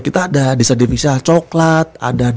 kita ada desa devisa coklat